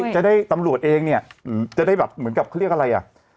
จะได้ตำรวจเองเนี่ยจะได้แบบเหมือนกับเขาเรียกอะไรอ่ะ